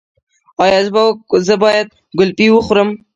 ایا زه باید ګلپي وخورم؟